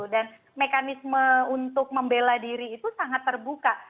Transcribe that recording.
dan mekanisme untuk membela diri itu sangat terbuka